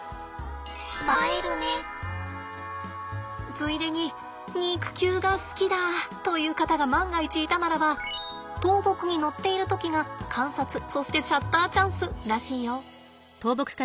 ついでに肉球が好きだという方が万が一いたならば倒木にのっている時が観察そしてシャッターチャンスらしいよ。